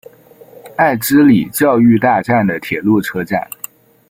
爱之里教育大站的铁路车站。